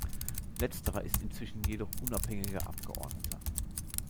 Letzterer ist inzwischen jedoch unabhängiger Abgeordneter.